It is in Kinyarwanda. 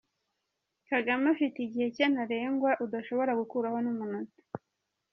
Kagame afite igihe cye ntarengwa udashobora gukuraho n’umunota.